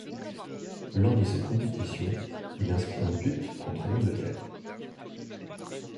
Lors de cette compétition, il inscrit un but contre l'Angleterre.